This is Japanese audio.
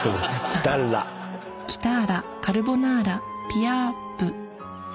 キターラカルボナーラピアーヴ。